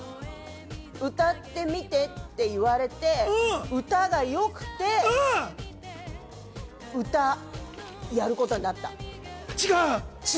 歌ってみてって言われて、歌が良くて、歌やることになった。違う。